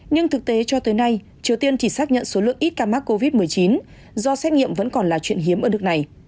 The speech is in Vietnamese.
nhưng thực tế cho tới nay triều tiên chỉ xác nhận số lượng ít ca mắc covid một mươi chín do xét nghiệm vẫn còn là chuyện hiếm ở nước này